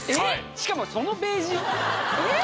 しかもそのページえっ？